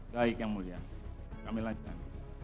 baik yang mulia kami lanjutkan